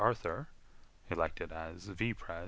Arthur (elected as V. Pres.)